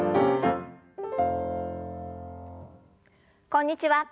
こんにちは。